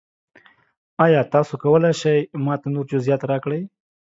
ایا تاسو کولی شئ ما ته نور جزئیات راکړئ؟